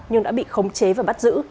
nhưng đã bị khống chế và bắt giữ